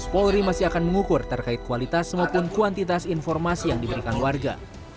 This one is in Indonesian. polri masih akan mengukur terkait kualitas maupun kuantitas informasi yang diberikan warga